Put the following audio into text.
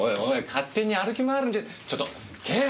勝手に歩き回るんじゃちょっと警部！